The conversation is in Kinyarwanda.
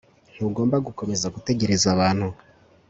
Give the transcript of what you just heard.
ntugomba gukomeza gutegereza abantu